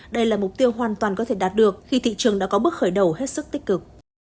đây là mục tiêu hoàn toàn có thể đạt được khi thị trường đã có bước khởi đầu hết sức tích cực